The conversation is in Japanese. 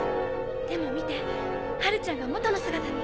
でも見てハルちゃんが元の姿に！